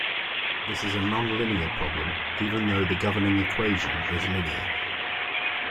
This is a non-linear problem, even though the governing equation is linear.